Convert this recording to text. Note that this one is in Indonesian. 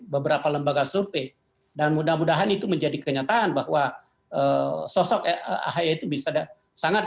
beberapa lembaga survei dan mudah mudahan itu menjadi kenyataan bahwa sosok ahy itu bisa sangat